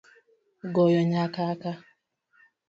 Goyo nyakaka